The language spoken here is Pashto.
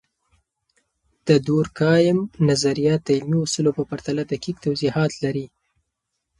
د دورکهايم نظریات د علمي اصولو په پرتله دقیق توضیحات لري.